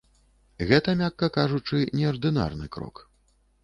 Гэта, мякка кажучы, неардынарны крок.